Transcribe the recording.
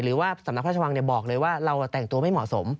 หรือว่าสำนักพระราชวังบอกเลยว่าเราแต่งตัวไม่เหมาะสม